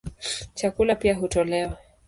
Chakula pia hutolewa.